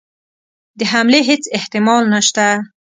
د حملې هیڅ احتمال نسته.